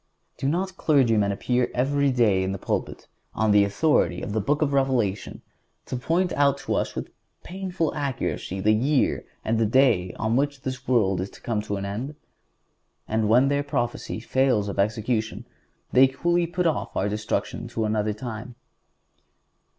Do not clergymen appear every day in the pulpit, and on the authority of the Book of Revelation point out to us with painful accuracy the year and the day on which this world is to come to an end? And when their prophecy fails of execution they coolly put off our destruction to another time.